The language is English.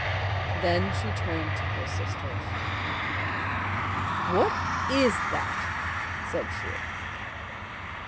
Then she turned to her sisters. "What IS that?" said she.